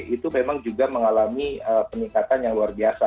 itu memang juga mengalami peningkatan yang luar biasa